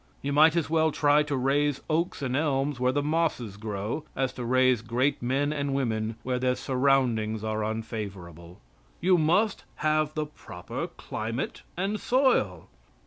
You might as well try to raise oaks and elms where the mosses grow, as to raise great men and women where their surroundings are unfavorable. You must have the proper climate and soil.